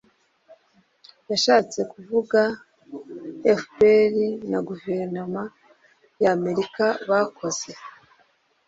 yashatse kuvuga. fpr na guverinoma y'amerika bakoze